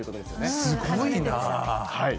すごいな。